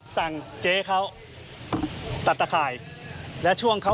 เจ๊เขาตัดตะข่ายและช่วงเขา